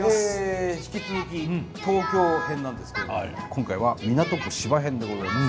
引き続き東京編なんですけれども今回は港区芝編でございます。